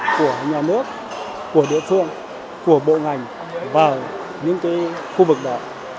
của nhà nước của địa phương của bộ ngành và những cái khu vực đó